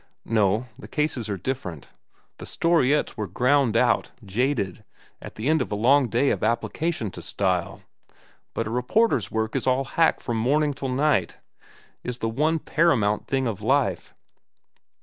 "No, the cases are different. The storiettes were ground out, jaded, at the end of a long day of application to style. But a reporter's work is all hack from morning till night, is the one paramount thing of life.